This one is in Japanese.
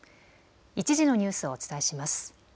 １時のニュースをお伝えします。